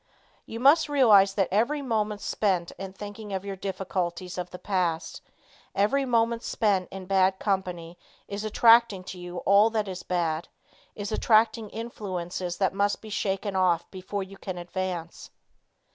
You must realize that every moment spent in thinking of your difficulties of the past, every moment spent in bad company is attracting to you all that is bad; is attracting influences that must be shaken off before you can advance.